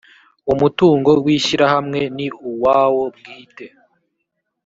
umutungo w ishyirahamwe ni uwawo bwite